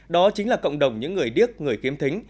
đó chính là cộng đồng những người điếc người khiếm thính